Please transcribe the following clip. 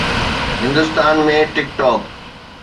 Hindustan ۾ ٽڪ talk